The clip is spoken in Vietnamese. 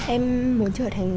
em muốn trở thành